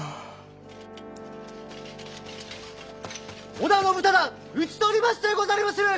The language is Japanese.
織田信忠討ち取りましてござりまする！